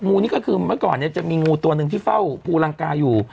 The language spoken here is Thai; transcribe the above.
งูนี่ก็คือเมื่อก่อนเนี่ยจะมีงูตัวหนึ่งที่เฝ้าภูรังกาอยู่